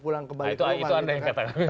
pulang kembali itu aneh katanya